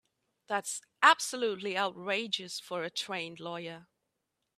That's absolutely outrageous for a trained lawyer.